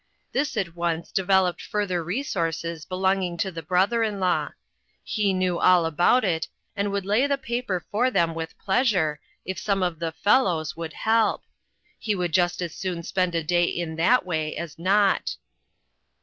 This at once developed further resources be longing to the brother in law. He knew all about it, and would lay the paper for them with pleasure, if some of the " fellows " would help. He would just as soon spend a day in that way as not.